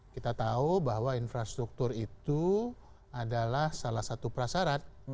kita tahu bahwa infrastruktur itu adalah salah satu prasarat